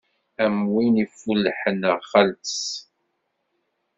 Am win iffullḥen ar xalt-is.